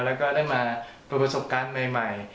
แล้วก็ได้มาดูประสบการณ์ใหม่